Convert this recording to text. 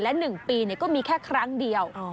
และ๑ปีก็มีแค่ครั้งเดียว